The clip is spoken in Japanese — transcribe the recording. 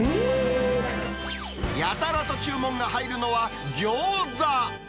やたらと注文が入るのはギョーザ。